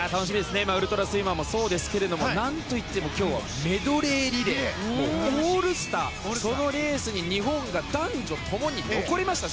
ウルトラスイマーもそうですがなんといっても今日はメドレーリレーオールスターそのレースに男女ともに残りました。